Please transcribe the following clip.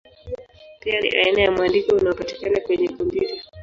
Pia ni aina ya mwandiko unaopatikana kwenye kompyuta.